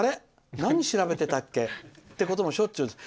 何調べてたっけってこともしょっちゅうです」。